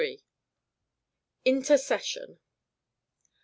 INTERCESSION.